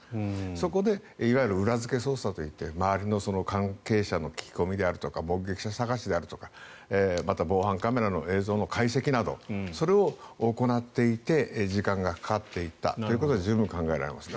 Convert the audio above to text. そこでいわゆる裏付け捜査といって周りの関係者の聞き込みであるとか目撃者探しであるとかまた防犯カメラの映像の解析などそれを行っていて時間がかかっていたということは十分考えられます。